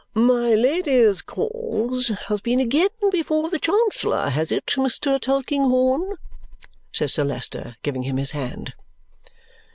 "My Lady's cause has been again before the Chancellor, has it, Mr. Tulkinghorn?" says Sir Leicester, giving him his hand.